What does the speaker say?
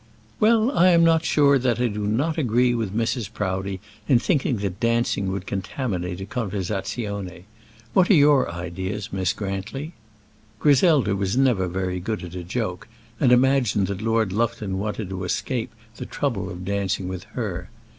"Well, I am not sure that I do not agree with Mrs. Proudie in thinking that dancing would contaminate a conversazione. What are your ideas, Miss Grantly?" Griselda was never very good at a joke, and imagined that Lord Lufton wanted to escape the trouble of dancing with her.